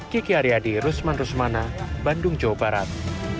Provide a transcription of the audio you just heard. kiki aryadi rusman rusmana bandung jawa barat